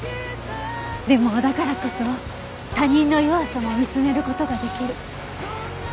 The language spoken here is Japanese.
でもだからこそ他人の弱さも見つめる事が出来る。